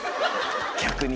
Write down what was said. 逆に。